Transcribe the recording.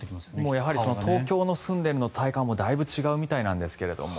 やはり東京の住んでいる体感もだいぶ違うみたいなんですが。